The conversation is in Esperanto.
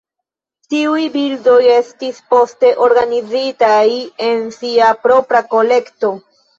Tiuj bildoj estis poste organizitaj en sia propra kolekto.